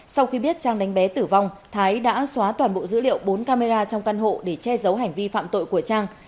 sau khi biết trang đánh bé tử vong thái đã xóa toàn bộ dữ liệu bốn camera trong căn hộ để che giấu hành vi phạm tội của trang